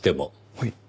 はい。